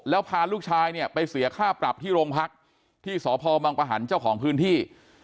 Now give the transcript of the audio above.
แล้วพาลูกชายเนี่ยไปเสียค่าปรับที่โรงพักที่สพบังปะหันเจ้าของพื้นที่